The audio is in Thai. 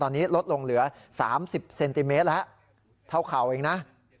ตอนนี้ลดลงเหลือ๓๐เซนติเมตรแล้วเท่าเข่าเองนะ